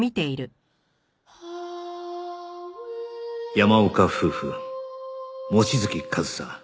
山岡夫婦望月和沙